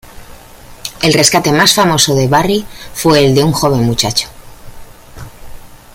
El rescate más famoso de Barry fue el de un joven muchacho.